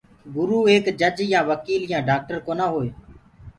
گُرو ايڪ جيج يآ وڪيل يآ ڊآڪٽر ڪونآ هٽوئي۔